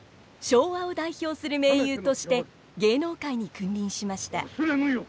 昭和を代表する名優として芸能界に君臨しました。